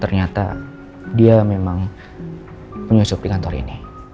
ternyata dia memang penyusup di kantor ini